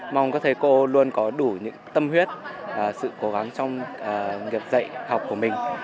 mong các thầy cô luôn có đủ những tâm huyết sự cố gắng trong nghiệp dạy học của mình